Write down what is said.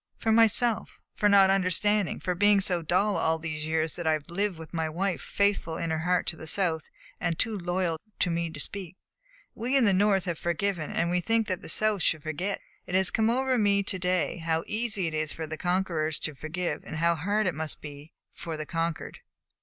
"For myself; for not understanding for being so dull all these years that I have lived with a wife faithful in her heart to the South and too loyal to me to speak. We in the North have forgiven, and we think that the South should forget. It has come over me to day how easy it is for the conquerors to forgive and how hard that must be for the conquered."